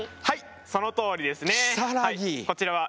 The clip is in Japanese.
はいそのとおりですね。